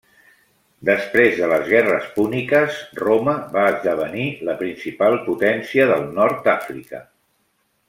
Després de les guerres púniques, Roma va esdevenir la principal potència del nord d'Àfrica.